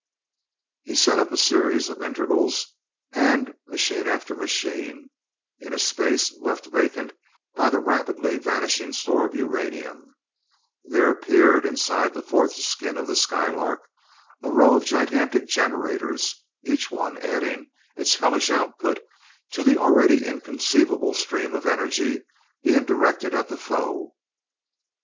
He set up a series of integrals and, machine after machine, in a space left vacant by the rapidly vanishing store of uranium, there appeared inside the fourth skin of the Skylark a row of gigantic generators, each one adding its hellish output to the already inconceivable stream of energy being directed at the foe.